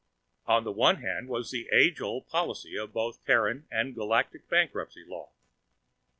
On the one hand was the age old policy of both Terran and Galactic bankruptcy law.